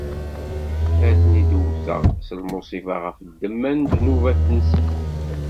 Ad ten-id-wteɣ s lmuṣibat ɣef ddemma n ddnubat-nsen.